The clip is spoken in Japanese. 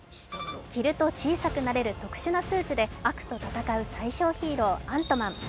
着ると小さくなれる特殊なスーツで悪と戦う最小ヒーロー・アントマン。